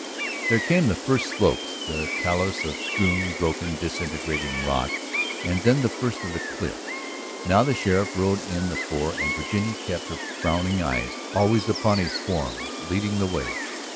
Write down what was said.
There came the first slopes, the talus of strewn, broken, disintegrating rock, and then the first of the cliffs. Now the sheriff rode in the fore and Virginia kept her frowning eyes always upon his form leading the way.